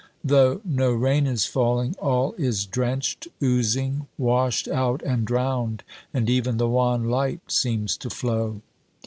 Though no rain is falling, all is drenched, oozing, washed out and drowned, and even the wan light seems to flow.